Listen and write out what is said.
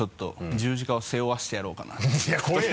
十字架を背負わせてやろうかなって思って。